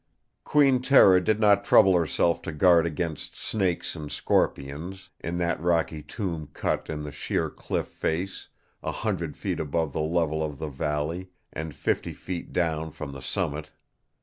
Queen Tera did not trouble herself to guard against snakes and scorpions, in that rocky tomb cut in the sheer cliff face a hundred feet above the level of the valley, and fifty down from the summit.